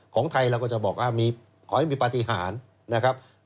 ของไทยเราก็จะบอกว่าขอให้มีปฏิหารนะครับ